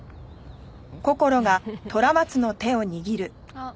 あっ！